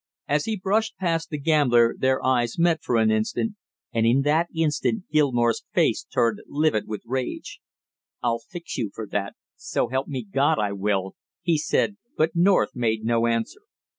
As he brushed past the gambler their eyes met for an instant, and in that instant Gilmore's face turned livid with rage. "I'll fix you for that, so help me God, I will!" he said, but North made no answer.